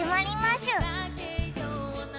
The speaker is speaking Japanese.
しゅ